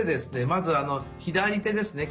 まず左手ですね